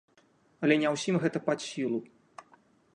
Але не ўсім гэта пад сілу.